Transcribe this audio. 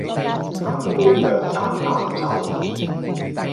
三杯兩盞淡酒，